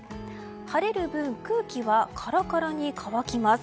晴れる分、空気はカラカラに乾きます。